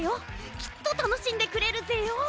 きっとたのしんでくれるぜよ。